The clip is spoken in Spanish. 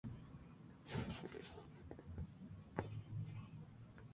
En Japón, a veces se utiliza calabaza y ñame púrpura en lugar de castañas.